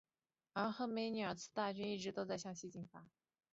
而赫梅尔尼茨基的大军一直都在向西进发。